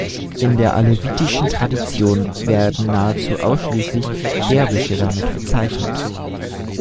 In der alevitischen Tradition werden nahezu ausschließlich Derwische damit bezeichnet.